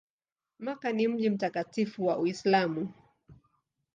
Makka ni mji mtakatifu wa Uislamu.